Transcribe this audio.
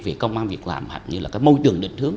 vì công an việc làm hoặc môi trường định thương